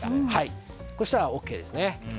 そうしたらＯＫですね。